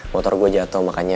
motor gue jatuh makanya